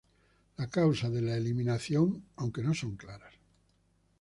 Las causas de la eliminación aunque no son claras.